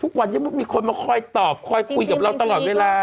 ทุกวันนี้มีคนมาคอยตอบคอยคุยกับเราตลอดเวลา